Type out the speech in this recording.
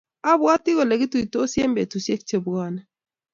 Abwati kole kituitosi eng betusiek che bwone